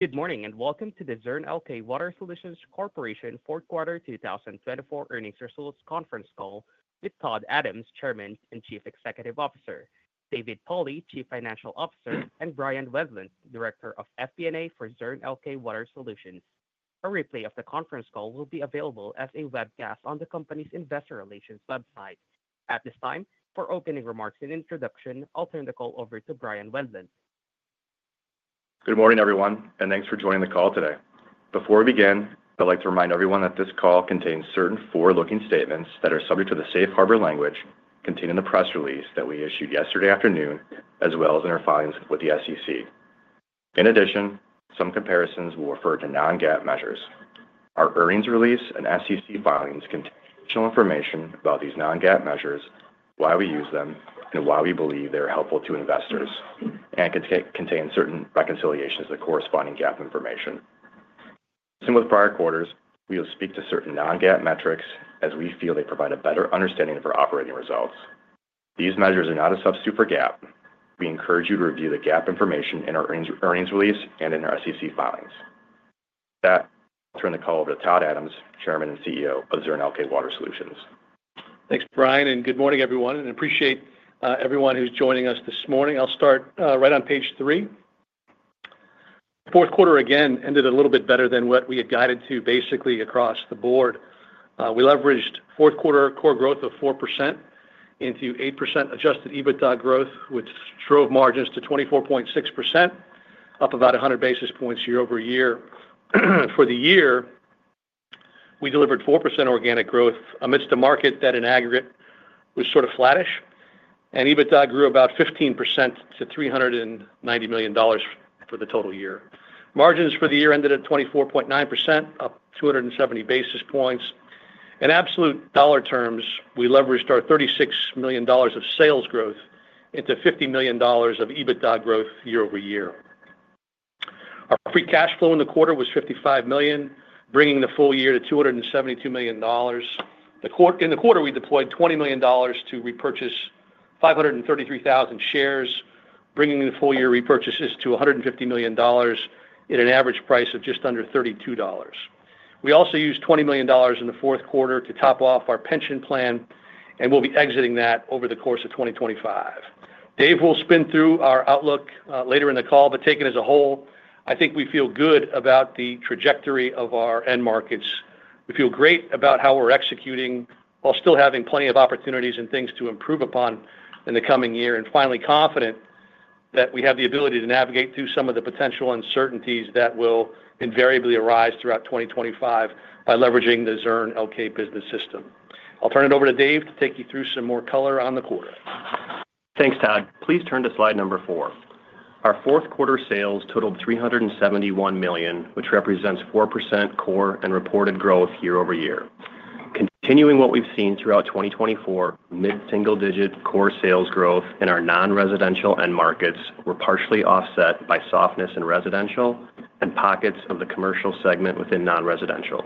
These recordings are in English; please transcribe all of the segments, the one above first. Good morning and welcome to the Zurn Elkay Water Solutions Corporation Fourth Quarter 2024 Earnings Results Conference Call with Todd Adams, Chairman and Chief Executive Officer; David Pauli, Chief Financial Officer; and Bryan Wendlandt, Director of FP&A for Zurn Elkay Water Solutions. A replay of the conference call will be available as a webcast on the company's Investor Relations website. At this time, for opening remarks and introduction, I'll turn the call over to Bryan Wendlandt. Good morning, everyone, and thanks for joining the call today. Before we begin, I'd like to remind everyone that this call contains certain forward-looking statements that are subject to the Safe Harbor language contained in the press release that we issued yesterday afternoon, as well as in our filings with the SEC. In addition, some comparisons will refer to non-GAAP measures. Our earnings release and SEC filings contain additional information about these non-GAAP measures, why we use them, and why we believe they are helpful to investors, and contain certain reconciliations of the corresponding GAAP information. Similar to prior quarters, we will speak to certain non-GAAP metrics as we feel they provide a better understanding of our operating results. These measures are not a substitute for GAAP. We encourage you to review the GAAP information in our earnings release and in our SEC filings. With that, I'll turn the call over to Todd Adams, Chairman and CEO of Zurn Elkay Water Solutions. Thanks, Bryan, and good morning, everyone. And I appreciate everyone who's joining us this morning. I'll start right on page three. Fourth quarter, again, ended a little bit better than what we had guided to, basically, across the board. We leveraged fourth quarter core growth of 4% into 8% adjusted EBITDA growth, which drove margins to 24.6%, up about 100 basis points year over year. For the year, we delivered 4% organic growth amidst a market that, in aggregate, was sort of flattish, and EBITDA grew about 15% to $390 million for the total year. Margins for the year ended at 24.9%, up 270 basis points. In absolute dollar terms, we leveraged our $36 million of sales growth into $50 million of EBITDA growth year over year. Our free cash flow in the quarter was $55 million, bringing the full year to $272 million. In the quarter, we deployed $20 million to repurchase 533,000 shares, bringing the full year repurchases to $150 million at an average price of just under $32. We also used $20 million in the fourth quarter to top off our pension plan, and we'll be exiting that over the course of 2025. Dave will spin through our outlook later in the call, but taken as a whole, I think we feel good about the trajectory of our end markets. We feel great about how we're executing while still having plenty of opportunities and things to improve upon in the coming year, and finally, confident that we have the ability to navigate through some of the potential uncertainties that will invariably arise throughout 2025 by leveraging the Zurn Elkay Business System. I'll turn it over to Dave to take you through some more color on the quarter. Thanks, Todd. Please turn to slide number four. Our fourth quarter sales totaled $371 million, which represents 4% core and reported growth year over year. Continuing what we've seen throughout 2024, mid-single-digit core sales growth in our non-residential end markets were partially offset by softness in residential and pockets of the commercial segment within non-residential.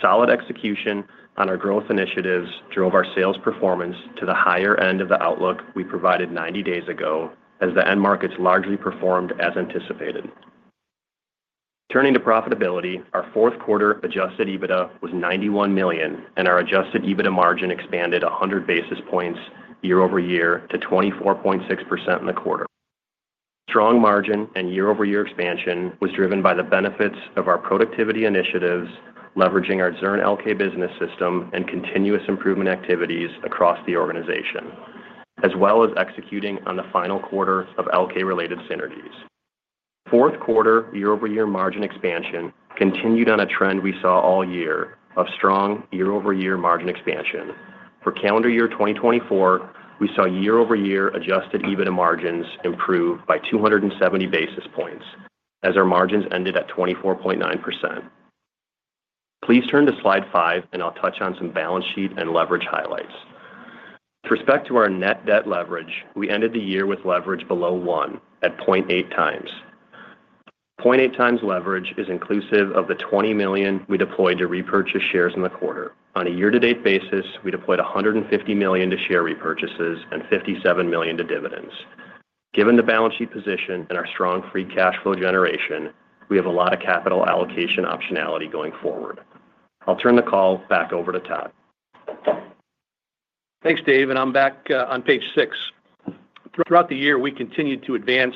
Solid execution on our growth initiatives drove our sales performance to the higher end of the outlook we provided 90 days ago, as the end markets largely performed as anticipated. Turning to profitability, our fourth quarter adjusted EBITDA was $91 million, and our adjusted EBITDA margin expanded 100 basis points year over year to 24.6% in the quarter. Strong margin and year-over-year expansion was driven by the benefits of our productivity initiatives, leveraging our Zurn Elkay Business System and continuous improvement activities across the organization, as well as executing on the final quarter of Elkay-related synergies. Fourth quarter year-over-year margin expansion continued on a trend we saw all year of strong year-over-year margin expansion. For calendar year 2024, we saw year-over-year adjusted EBITDA margins improve by 270 basis points, as our margins ended at 24.9%. Please turn to slide five, and I'll touch on some balance sheet and leverage highlights. With respect to our net debt leverage, we ended the year with leverage below one at 0.8 times. 0.8 times leverage is inclusive of the $20 million we deployed to repurchase shares in the quarter. On a year-to-date basis, we deployed $150 million to share repurchases and $57 million to dividends. Given the balance sheet position and our strong free cash flow generation, we have a lot of capital allocation optionality going forward. I'll turn the call back over to Todd. Thanks, Dave, and I'm back on page six. Throughout the year, we continued to advance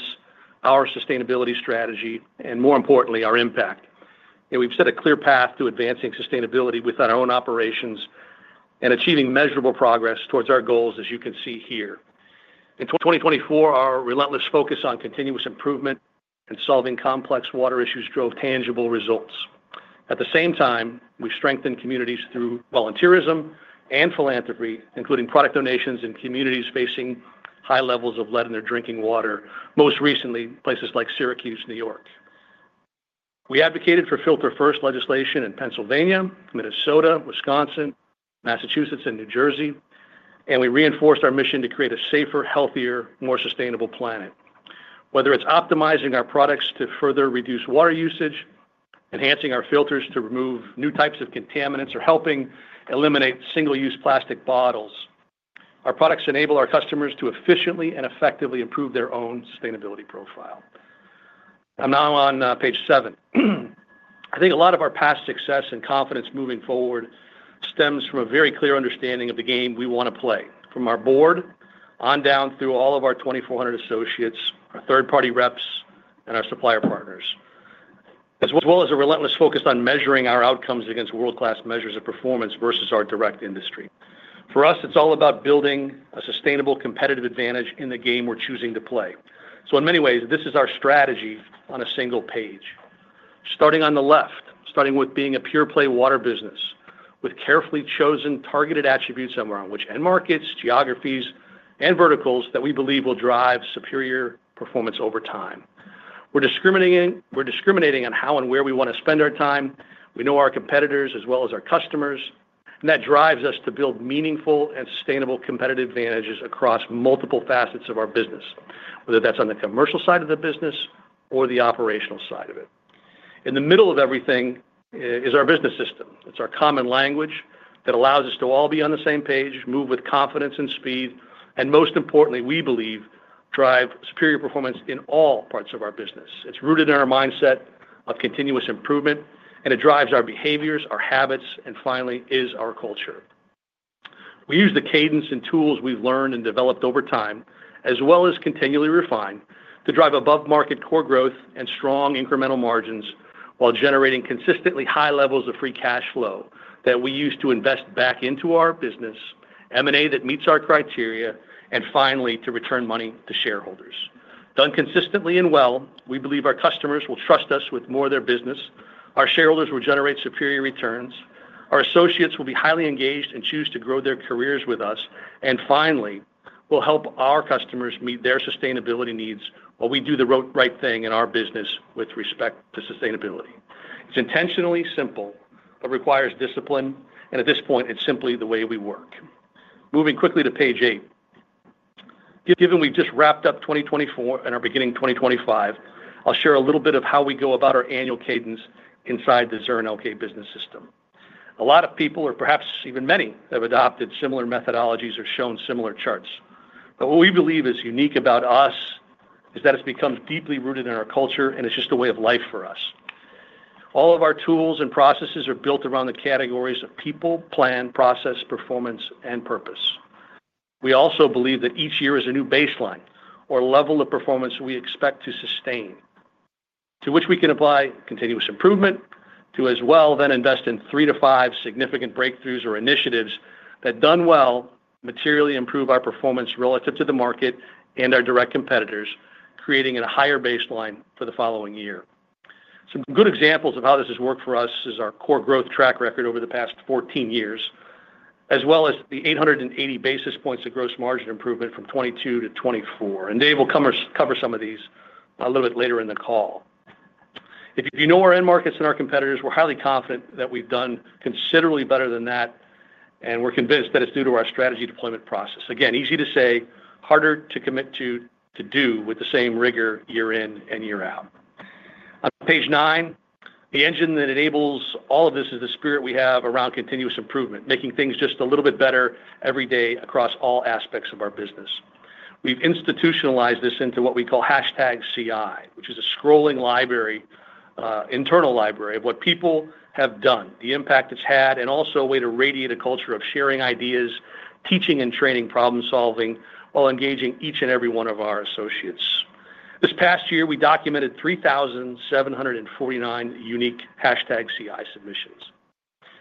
our sustainability strategy and, more importantly, our impact. We've set a clear path to advancing sustainability within our own operations and achieving measurable progress towards our goals, as you can see here. In 2024, our relentless focus on continuous improvement and solving complex water issues drove tangible results. At the same time, we strengthened communities through volunteerism and philanthropy, including product donations in communities facing high levels of lead in their drinking water, most recently places like Syracuse, New York. We advocated for filter-first legislation in Pennsylvania, Minnesota, Wisconsin, Massachusetts, and New Jersey, and we reinforced our mission to create a safer, healthier, more sustainable planet. Whether it's optimizing our products to further reduce water usage, enhancing our filters to remove new types of contaminants, or helping eliminate single-use plastic bottles, our products enable our customers to efficiently and effectively improve their own sustainability profile. I'm now on page seven. I think a lot of our past success and confidence moving forward stems from a very clear understanding of the game we want to play, from our board on down through all of our 2,400 associates, our third-party reps, and our supplier partners, as well as a relentless focus on measuring our outcomes against world-class measures of performance versus our direct industry. For us, it's all about building a sustainable competitive advantage in the game we're choosing to play. So, in many ways, this is our strategy on a single page. Starting on the left, starting with being a pure-play water business with carefully chosen targeted attributes around which end markets, geographies, and verticals that we believe will drive superior performance over time. We're discriminating on how and where we want to spend our time. We know our competitors as well as our customers, and that drives us to build meaningful and sustainable competitive advantages across multiple facets of our business, whether that's on the commercial side of the business or the operational side of it. In the middle of everything is our business system. It's our common language that allows us to all be on the same page, move with confidence and speed, and, most importantly, we believe, drive superior performance in all parts of our business. It's rooted in our mindset of continuous improvement, and it drives our behaviors, our habits, and finally, is our culture. We use the cadence and tools we've learned and developed over time, as well as continually refined, to drive above-market core growth and strong incremental margins while generating consistently high levels of free cash flow that we use to invest back into our business, M&A that meets our criteria, and finally, to return money to shareholders. Done consistently and well, we believe our customers will trust us with more of their business, our shareholders will generate superior returns, our associates will be highly engaged and choose to grow their careers with us, and finally, we'll help our customers meet their sustainability needs while we do the right thing in our business with respect to sustainability. It's intentionally simple but requires discipline, and at this point, it's simply the way we work. Moving quickly to page eight. Given we've just wrapped up 2024 and are beginning 2025, I'll share a little bit of how we go about our annual cadence inside the Zurn Elkay Business System. A lot of people, or perhaps even many, have adopted similar methodologies or shown similar charts. But what we believe is unique about us is that it becomes deeply rooted in our culture, and it's just a way of life for us. All of our tools and processes are built around the categories of people, plan, process, performance, and purpose. We also believe that each year is a new baseline or level of performance we expect to sustain, to which we can apply continuous improvement to as well then invest in three to five significant breakthroughs or initiatives that, done well, materially improve our performance relative to the market and our direct competitors, creating a higher baseline for the following year. Some good examples of how this has worked for us is our core growth track record over the past 14 years, as well as the 880 basis points of gross margin improvement from 2022 to 2024. Dave will cover some of these a little bit later in the call. If you know our end markets and our competitors, we're highly confident that we've done considerably better than that, and we're convinced that it's due to our strategy deployment process. Again, easy to say, harder to commit to do with the same rigor year in and year out. On page nine, the engine that enables all of this is the spirit we have around continuous improvement, making things just a little bit better every day across all aspects of our business. We've institutionalized this into what we call #CI, which is a scrolling library, internal library of what people have done, the impact it's had, and also a way to radiate a culture of sharing ideas, teaching and training, problem-solving while engaging each and every one of our associates. This past year, we documented 3,749 unique #CI submissions.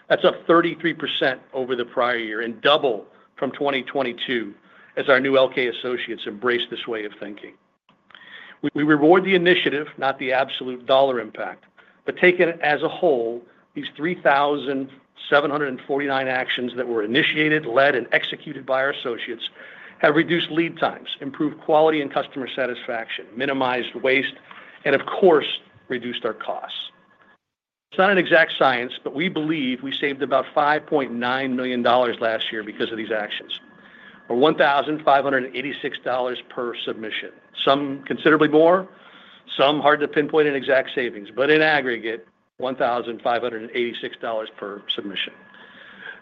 That's up 33% over the prior year and double from 2022 as our new Elkay associates embraced this way of thinking. We reward the initiative, not the absolute dollar impact, but taken as a whole, these 3,749 actions that were initiated, led, and executed by our associates have reduced lead times, improved quality and customer satisfaction, minimized waste, and, of course, reduced our costs. It's not an exact science, but we believe we saved about $5.9 million last year because of these actions, or $1,586 per submission. Some considerably more, some hard to pinpoint an exact savings, but in aggregate, $1,586 per submission.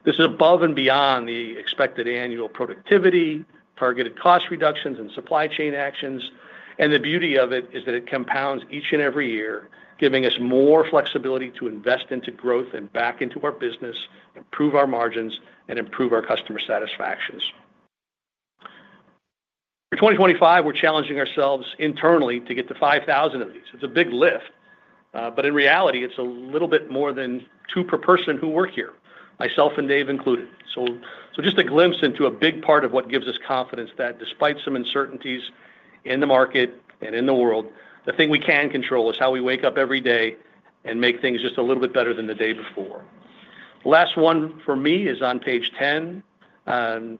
This is above and beyond the expected annual productivity, targeted cost reductions, and supply chain actions. And the beauty of it is that it compounds each and every year, giving us more flexibility to invest into growth and back into our business, improve our margins, and improve our customer satisfactions. For 2025, we're challenging ourselves internally to get to 5,000 of these. It's a big lift, but in reality, it's a little bit more than two per person who work here, myself and Dave included. So just a glimpse into a big part of what gives us confidence that despite some uncertainties in the market and in the world, the thing we can control is how we wake up every day and make things just a little bit better than the day before. The last one for me is on page 10.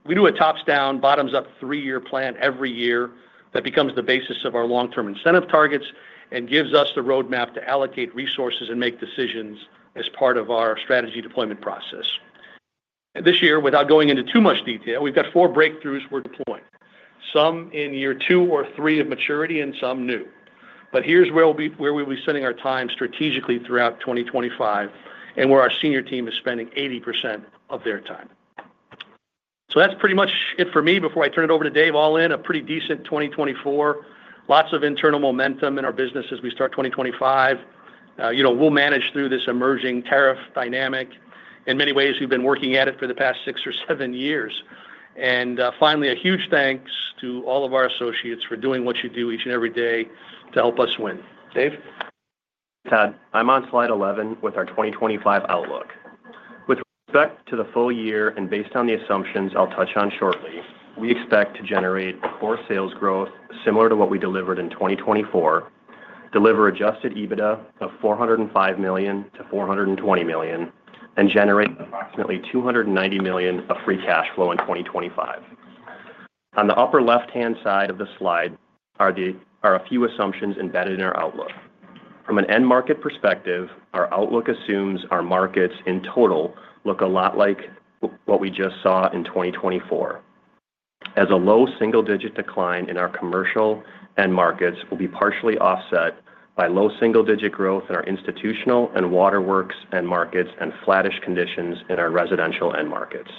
We do a top-down, bottom-up three-year plan every year that becomes the basis of our long-term incentive targets and gives us the roadmap to allocate resources and make decisions as part of our strategy deployment process. This year, without going into too much detail, we've got four breakthroughs we're deploying, some in year two or three of maturity and some new. But here's where we'll be spending our time strategically throughout 2025 and where our senior team is spending 80% of their time. So that's pretty much it for me before I turn it over to Dave. All in a pretty decent 2024, lots of internal momentum in our business as we start 2025. We'll manage through this emerging tariff dynamic. In many ways, we've been working at it for the past six or seven years. Finally, a huge thanks to all of our associates for doing what you do each and every day to help us win. Dave? Todd, I'm on slide 11 with our 2025 outlook. With respect to the full year and based on the assumptions I'll touch on shortly, we expect to generate core sales growth similar to what we delivered in 2024, deliver Adjusted EBITDA of $405 million-$420 million, and generate approximately $290 million of free cash flow in 2025. On the upper left-hand side of the slide are a few assumptions embedded in our outlook. From an end market perspective, our outlook assumes our markets in total look a lot like what we just saw in 2024, as a low single-digit decline in our commercial end markets will be partially offset by low single-digit growth in our institutional and waterworks end markets and flattish conditions in our residential end markets.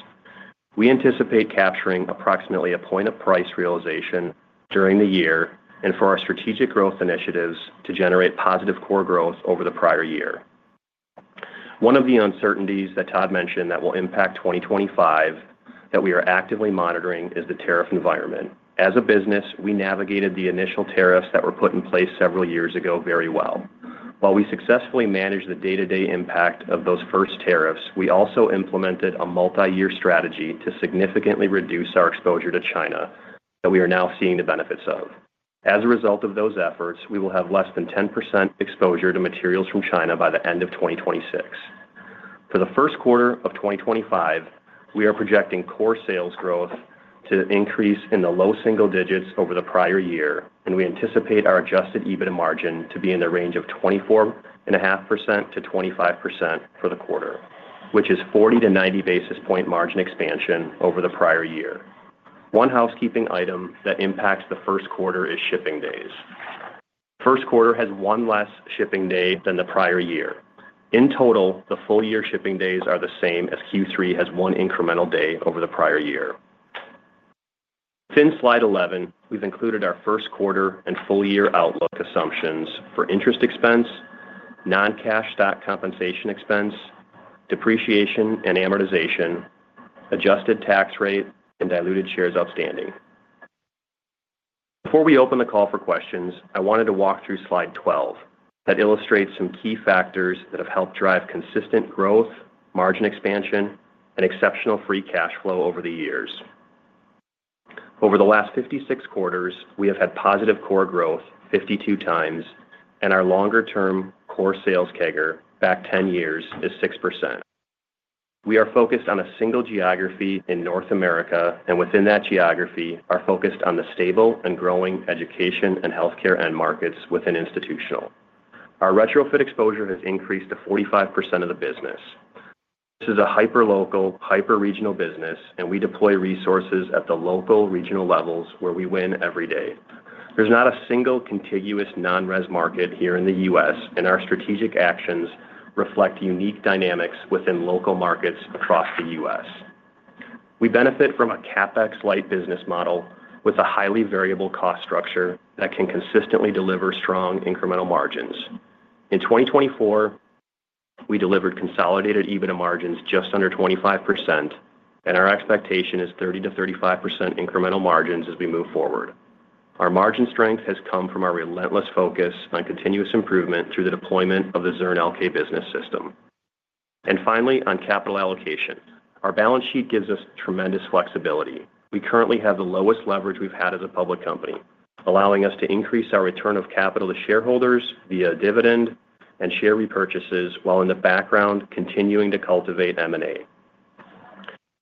We anticipate capturing approximately a point of price realization during the year and for our strategic growth initiatives to generate positive core growth over the prior year. One of the uncertainties that Todd mentioned that will impact 2025 that we are actively monitoring is the tariff environment. As a business, we navigated the initial tariffs that were put in place several years ago very well. While we successfully managed the day-to-day impact of those first tariffs, we also implemented a multi-year strategy to significantly reduce our exposure to China that we are now seeing the benefits of. As a result of those efforts, we will have less than 10% exposure to materials from China by the end of 2026. For the first quarter of 2025, we are projecting core sales growth to increase in the low single digits over the prior year, and we anticipate our adjusted EBITDA margin to be in the range of 24.5%-25% for the quarter, which is 40-90 basis point margin expansion over the prior year. One housekeeping item that impacts the first quarter is shipping days. First quarter has one less shipping day than the prior year. In total, the full year shipping days are the same as Q3 has one incremental day over the prior year. Within slide 11, we've included our first quarter and full year outlook assumptions for interest expense, non-cash stock compensation expense, depreciation and amortization, adjusted tax rate, and diluted shares outstanding. Before we open the call for questions, I wanted to walk through slide 12 that illustrates some key factors that have helped drive consistent growth, margin expansion, and exceptional free cash flow over the years. Over the last 56 quarters, we have had positive core growth 52 times, and our longer-term core sales CAGR back 10 years is 6%. We are focused on a single geography in North America, and within that geography, our focus is on the stable and growing education and healthcare end markets within institutional. Our retrofit exposure has increased to 45% of the business. This is a hyper-local, hyper-regional business, and we deploy resources at the local regional levels where we win every day. There's not a single contiguous non-res market here in the U.S., and our strategic actions reflect unique dynamics within local markets across the U.S. We benefit from a CapEx-like business model with a highly variable cost structure that can consistently deliver strong incremental margins. In 2024, we delivered consolidated EBITDA margins just under 25%, and our expectation is 30%-35% incremental margins as we move forward. Our margin strength has come from our relentless focus on continuous improvement through the deployment of the Zurn Elkay Business System, and finally, on capital allocation, our balance sheet gives us tremendous flexibility. We currently have the lowest leverage we've had as a public company, allowing us to increase our return of capital to shareholders via dividend and share repurchases while in the background continuing to cultivate M&A.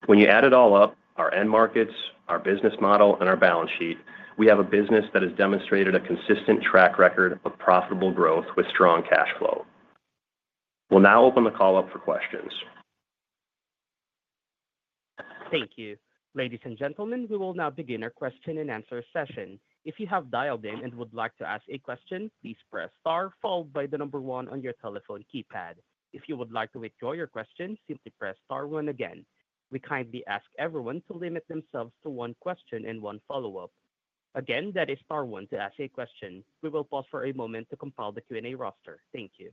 When you add it all up, our end markets, our business model, and our balance sheet, we have a business that has demonstrated a consistent track record of profitable growth with strong cash flow. We'll now open the call up for questions. Thank you. Ladies and gentlemen, we will now begin our question and answer session. If you have dialed in and would like to ask a question, please press star followed by the number one on your telephone keypad. If you would like to withdraw your question, simply press star one again. We kindly ask everyone to limit themselves to one question and one follow-up. Again, that is star one to ask a question. We will pause for a moment to compile the Q&A roster. Thank you.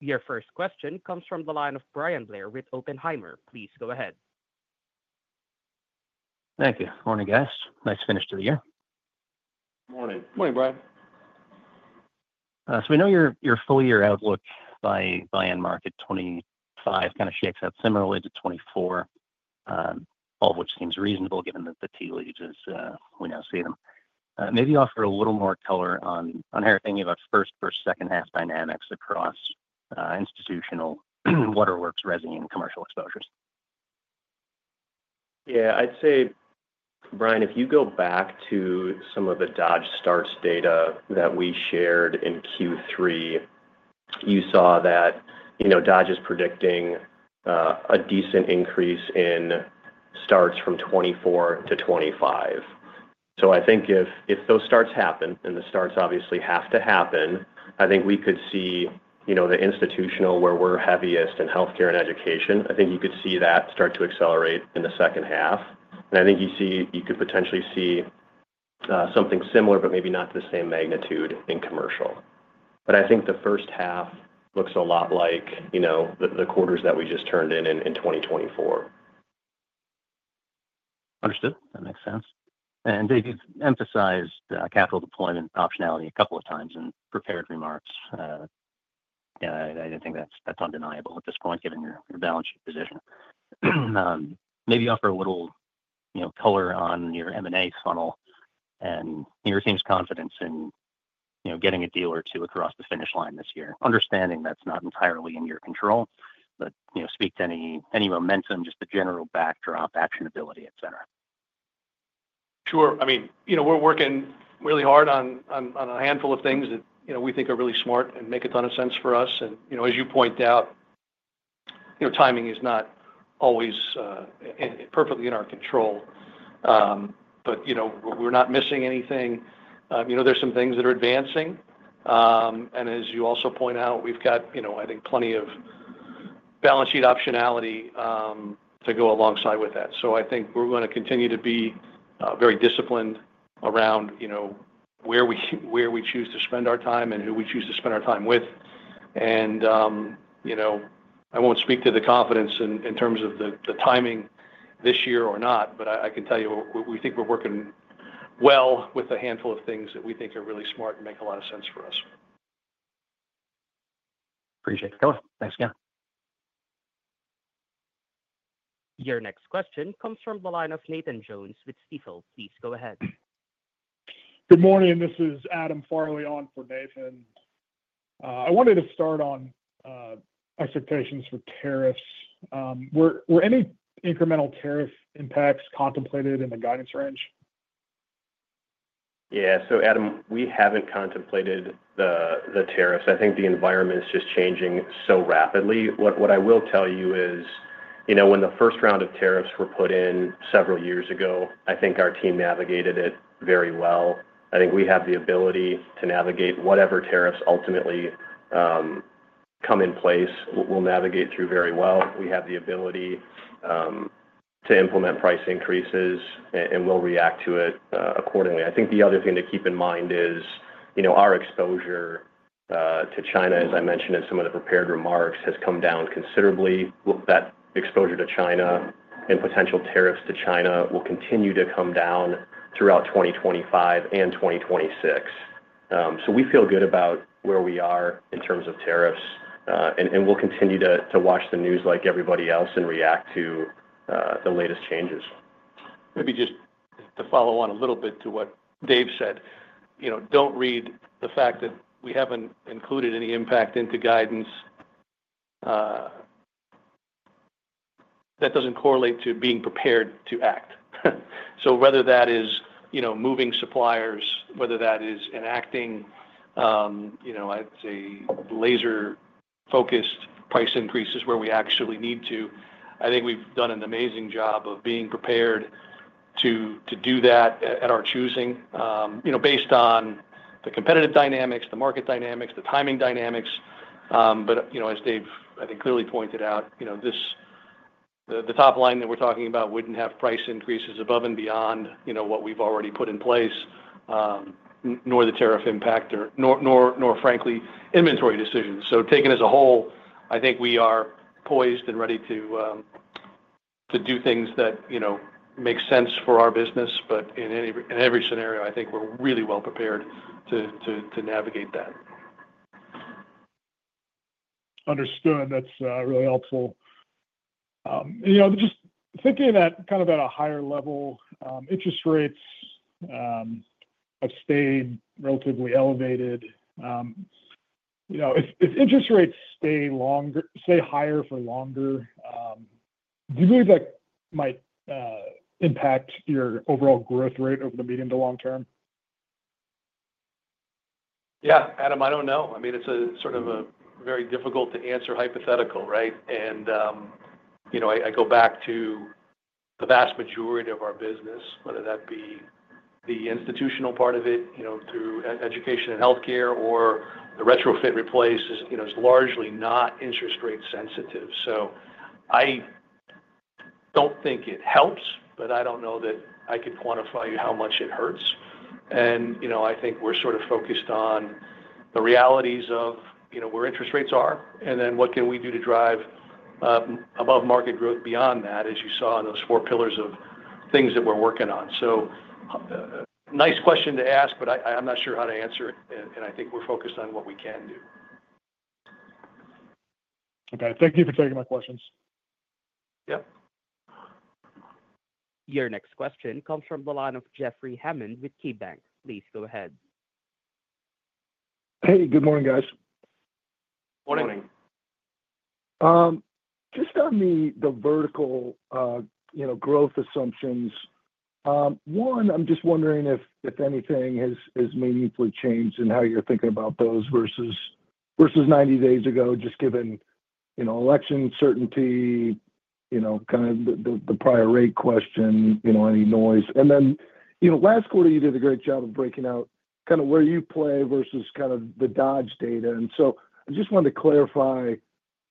Your first question comes from the line of Bryan Blair with Oppenheimer. Please go ahead. Thank you. Morning, guys. Nice finish to the year. Morning. Morning, Bryan. We know your full year outlook by end market 2025 kind of shapes up similarly to 2024, all of which seems reasonable given the tea leaves as we now see them. Maybe you offer a little more color on hearing about first or second-half dynamics across institutional waterworks, residential, and commercial exposures. Yeah. I'd say, Bryan, if you go back to some of the Dodge starts data that we shared in Q3, you saw that Dodge is predicting a decent increase in starts from 2024 to 2025. So I think if those starts happen, and the starts obviously have to happen, I think we could see the institutional where we're heaviest in healthcare and education. I think you could see that start to accelerate in the second half. And I think you could potentially see something similar, but maybe not the same magnitude in commercial. But I think the first half looks a lot like the quarters that we just turned in in 2024. Understood. That makes sense. And Dave emphasized capital deployment optionality a couple of times in prepared remarks. I think that's undeniable at this point given your balance sheet position. Maybe you offer a little color on your M&A funnel and your team's confidence in getting a deal or two across the finish line this year, understanding that's not entirely in your control, but speak to any momentum, just the general backdrop, actionability, etc. Sure. I mean, we're working really hard on a handful of things that we think are really smart and make a ton of sense for us. And as you point out, timing is not always perfectly in our control, but we're not missing anything. There's some things that are advancing. And as you also point out, we've got, I think, plenty of balance sheet optionality to go alongside with that. So I think we're going to continue to be very disciplined around where we choose to spend our time and who we choose to spend our time with. And I won't speak to the confidence in terms of the timing this year or not, but I can tell you we think we're working well with a handful of things that we think are really smart and make a lot of sense for us. Appreciate it. Thanks again. Your next question comes from the line of Nathan Jones with Stifel. Please go ahead. Good morning. This is Adam Farley on for Nathan. I wanted to start on expectations for tariffs. Were any incremental tariff impacts contemplated in the guidance range? Yeah. So Adam, we haven't contemplated the tariffs. I think the environment is just changing so rapidly. What I will tell you is when the first round of tariffs were put in several years ago, I think our team navigated it very well. I think we have the ability to navigate whatever tariffs ultimately come in place. We'll navigate through very well. We have the ability to implement price increases, and we'll react to it accordingly. I think the other thing to keep in mind is our exposure to China, as I mentioned in some of the prepared remarks, has come down considerably. That exposure to China and potential tariffs to China will continue to come down throughout 2025 and 2026. So we feel good about where we are in terms of tariffs, and we'll continue to watch the news like everybody else and react to the latest changes. Maybe just to follow on a little bit to what Dave said, don't read the fact that we haven't included any impact into guidance that doesn't correlate to being prepared to act. So whether that is moving suppliers, whether that is enacting, I'd say, laser-focused price increases where we actually need to, I think we've done an amazing job of being prepared to do that at our choosing based on the competitive dynamics, the market dynamics, the timing dynamics. But as Dave, I think, clearly pointed out, the top line that we're talking about wouldn't have price increases above and beyond what we've already put in place, nor the tariff impact, nor frankly inventory decisions. So taken as a whole, I think we are poised and ready to do things that make sense for our business. But in every scenario, I think we're really well prepared to navigate that. Understood. That's really helpful. Just thinking that kind of at a higher level, interest rates have stayed relatively elevated. If interest rates stay higher for longer, do you believe that might impact your overall growth rate over the medium to long term? Yeah. Adam, I don't know. I mean, it's a sort of a very difficult-to-answer hypothetical, right? And I go back to the vast majority of our business, whether that be the institutional part of it through education and healthcare or the retrofit replace, is largely not interest rate sensitive. So I don't think it helps, but I don't know that I could quantify how much it hurts. And I think we're sort of focused on the realities of where interest rates are and then what can we do to drive above-market growth beyond that, as you saw in those four pillars of things that we're working on. So nice question to ask, but I'm not sure how to answer it. And I think we're focused on what we can do. Okay. Thank you for taking my questions. Yep. Your next question comes from the line of Jeffrey Hammond with KeyBank. Please go ahead. Hey, good morning, guys. Morning. Morning. Just on the vertical growth assumptions, one, I'm just wondering if anything has meaningfully changed in how you're thinking about those versus 90 days ago, just given election certainty, kind of the prior rate question, any noise, and then last quarter, you did a great job of breaking out kind of where you play versus kind of the Dodge data, and so I just wanted to clarify,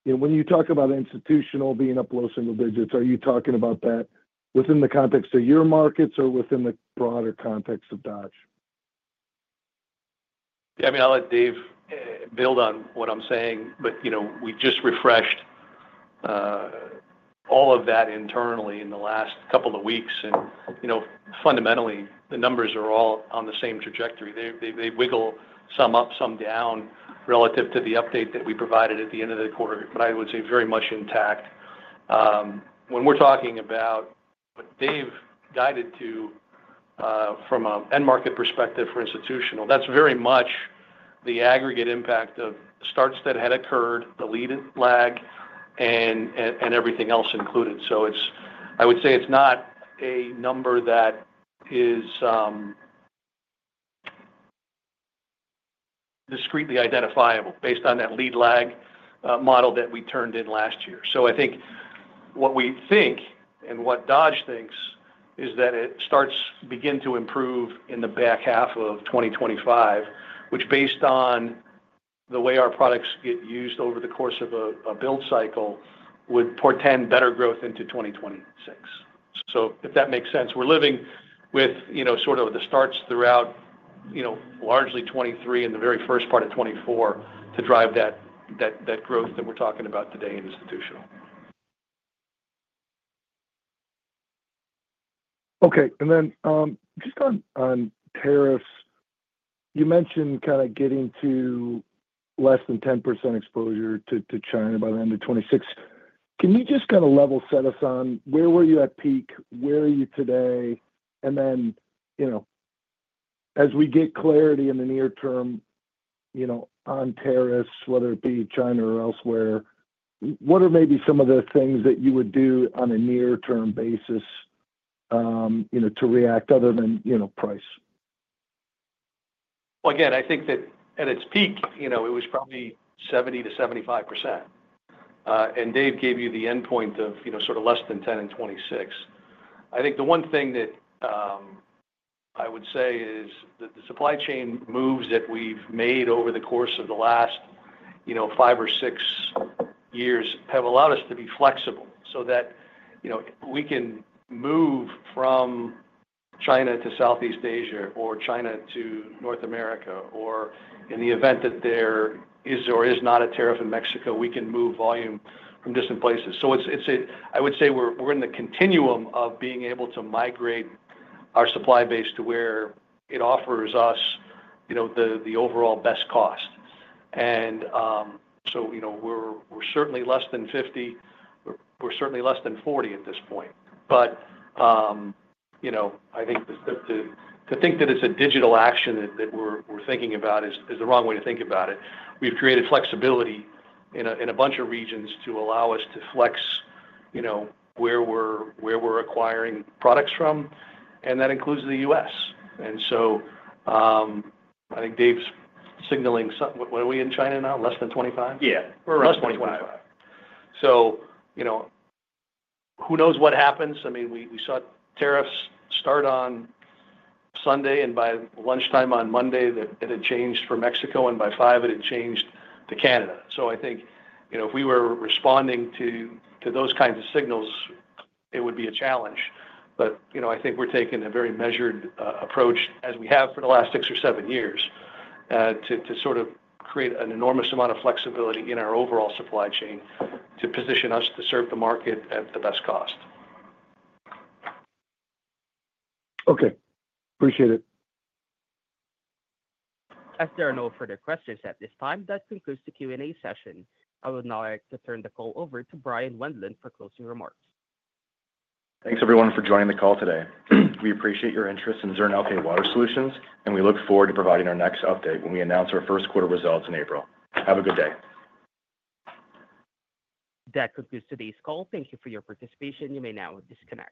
when you talk about institutional being up low single digits, are you talking about that within the context of your markets or within the broader context of Dodge? Yeah. I mean, I'll let Dave build on what I'm saying, but we just refreshed all of that internally in the last couple of weeks, and fundamentally, the numbers are all on the same trajectory. They wiggle some up, some down relative to the update that we provided at the end of the quarter, but I would say very much intact. When we're talking about what Dave guided to from an end market perspective for institutional, that's very much the aggregate impact of starts that had occurred, the lead lag, and everything else included. So I would say it's not a number that is discretely identifiable based on that lead lag model that we turned in last year. So I think what we think and what Dodge thinks is that it starts to begin to improve in the back half of 2025, which, based on the way our products get used over the course of a build cycle, would portend better growth into 2026. So if that makes sense, we're living with sort of the starts throughout largely 2023 and the very first part of 2024 to drive that growth that we're talking about today in institutional. Okay. And then just on tariffs, you mentioned kind of getting to less than 10% exposure to China by the end of 2026. Can you just kind of level set us on where were you at peak, where are you today? And then as we get clarity in the near term on tariffs, whether it be China or elsewhere, what are maybe some of the things that you would do on a near-term basis to react other than price? Again, I think that at its peak, it was probably 70%-75%, and Dave gave you the endpoint of sort of less than 10% in 2026. I think the one thing that I would say is that the supply chain moves that we've made over the course of the last five or six years have allowed us to be flexible so that we can move from China to Southeast Asia or China to North America, or in the event that there is or is not a tariff in Mexico, we can move volume from different places, so I would say we're in the continuum of being able to migrate our supply base to where it offers us the overall best cost, and so we're certainly less than 50%. We're certainly less than 40% at this point. But I think to think that it's a digital action that we're thinking about is the wrong way to think about it. We've created flexibility in a bunch of regions to allow us to flex where we're acquiring products from, and that includes the U.S. And so I think Dave's signaling what are we in China now? Less than 25? Yeah. We're less than 25. So who knows what happens? I mean, we saw tariffs start on Sunday, and by lunchtime on Monday, it had changed for Mexico, and by five, it had changed to Canada. So I think if we were responding to those kinds of signals, it would be a challenge. But I think we're taking a very measured approach, as we have for the last six or seven years, to sort of create an enormous amount of flexibility in our overall supply chain to position us to serve the market at the best cost. Okay. Appreciate it. As there are no further questions at this time, that concludes the Q&A session. I would now like to turn the call over to Bryan Wendlandt for closing remarks. Thanks, everyone, for joining the call today. We appreciate your interest in Zurn Elkay Water Solutions, and we look forward to providing our next update when we announce our first quarter results in April. Have a good day. That concludes today's call. Thank you for your participation. You may now disconnect.